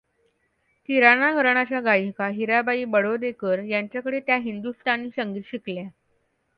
किराणा घराण्याच्या गायिका हिराबाई बडोदेकर यांच्याकडे त्या हिंदुस्तानी संगीत शिकल्या.